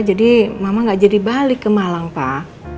jadi mama gak jadi balik ke malam pak